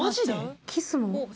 キスも？